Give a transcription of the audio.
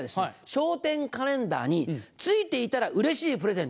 「笑点カレンダーに付いていたらうれしいプレゼント」。